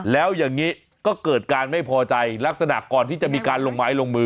แล้วอย่างนี้ก็เกิดการไม่พอใจลักษณะก่อนที่จะมีการลงไม้ลงมือ